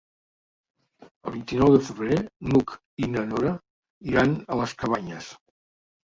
El vint-i-nou de febrer n'Hug i na Nora iran a les Cabanyes.